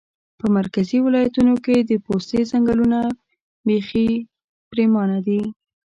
په مرکزي ولایتونو کې د پوستې ځنګلونه پیخي پرېمانه دي